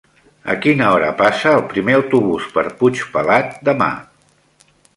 A quina hora passa el primer autobús per Puigpelat demà?